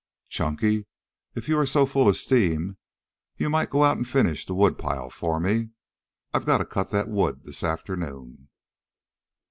Chunky, if you are so full of steam you might go out and finish the woodpile for me. I've got to cut that wood this afternoon."